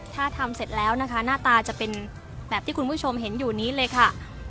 ถ้าทำเสร็จแล้วนะคะหน้าตาจะเป็นแบบที่คุณผู้ชมเห็นอยู่นี้เลยค่ะ